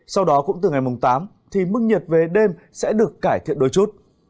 sau đó cũng từ ngày tám mức nhiệt về đêm sẽ được cải thiện đôi chút